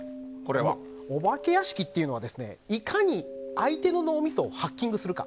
お化け屋敷っていうのはいかに相手の脳みそをハッキングするか。